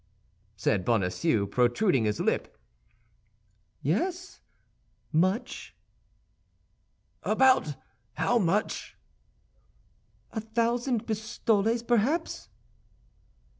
said Bonacieux, protruding his lip. "Yes, much." "About how much?" "A thousand pistoles, perhaps."